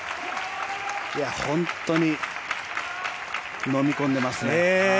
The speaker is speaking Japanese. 本当にのみ込んでますね。